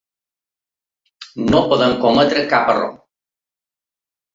No podem cometre cap error.